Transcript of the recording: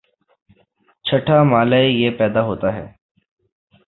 چھٹا مألہ یہ پیدا ہوتا ہے